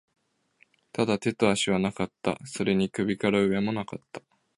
ただ、手と足はなかった。それに首から上も無かった。